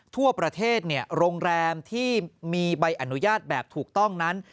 ทั่วประเทศโรงแรมที่มีใบอนุญาตแบบถูกต้องนั้น